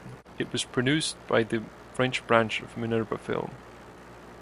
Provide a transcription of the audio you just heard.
It was produced by the French branch of Minerva Film.